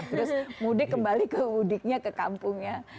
terus mudik kembali ke mudiknya ke kampungnya